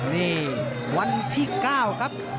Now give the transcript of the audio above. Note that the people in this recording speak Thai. นี่วันที่๙ครับ